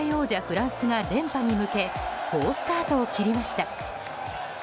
フランスが連覇に向け好スタートを切りました。